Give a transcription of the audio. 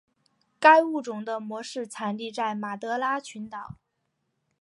该物种的模式产地在马德拉群岛。